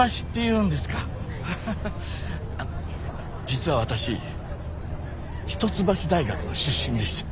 実は私一橋大学の出身でして。